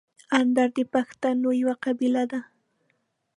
اندړ د پښتنو یوه قبیله ده.